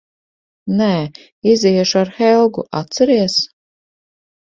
Nē. Iziešu ar Helgu, atceries?